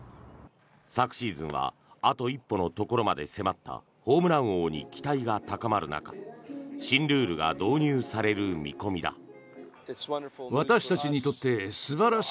昨シーズンはあと一歩のところまで迫ったホームラン王に期待が高まる中新ルールが導入される見込みだ。